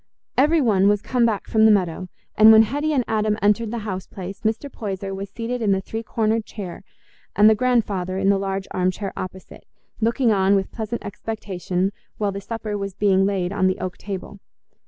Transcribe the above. Everybody was come back from the meadow; and when Hetty and Adam entered the house place, Mr. Poyser was seated in the three cornered chair, and the grandfather in the large arm chair opposite, looking on with pleasant expectation while the supper was being laid on the oak table.